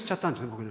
僕ね。